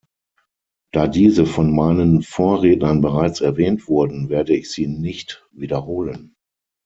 Da diese von meinen Vorrednern bereits erwähnt wurden, werde ich sie nicht wiederholen.